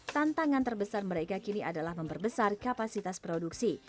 tantangan terbesar mereka kini adalah memperbesar kapasitas produksi